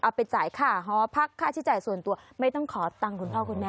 ไปจ่ายค่าหอพักค่าใช้จ่ายส่วนตัวไม่ต้องขอตังค์คุณพ่อคุณแม่